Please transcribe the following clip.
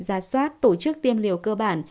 ra soát tổ chức tiêm liều cơ bản